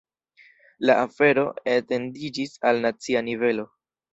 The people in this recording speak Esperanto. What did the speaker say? La afero etendiĝis al nacia nivelo.